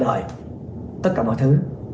để lấy lại tất cả mọi thứ